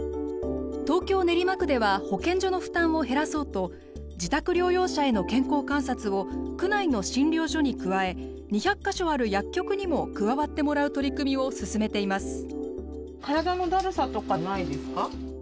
東京・練馬区では保健所の負担を減らそうと自宅療養者への健康観察を区内の診療所に加え２００か所ある薬局にも加わってもらう取り組みを進めています。